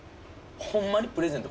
ホンマにプレゼント